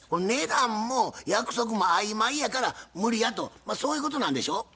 値段も約束も曖昧やから無理やとまあそういうことなんでしょ？